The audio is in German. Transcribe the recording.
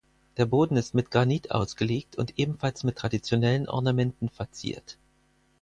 Der Boden ist mit Granit ausgelegt und ebenfalls mit traditionellen Ornamenten verziert.